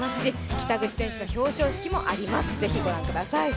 北口選手の表彰式もあります、ぜひご覧ください。